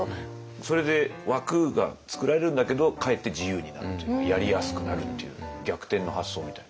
それで枠が創られるんだけどかえって自由になるというやりやすくなるっていう逆転の発想みたいな。